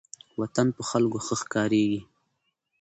وطن په خلکو ښه ښکاریږي.